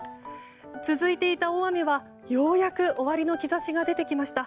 続いていた大雨は、ようやく終わりの兆しが出てきました。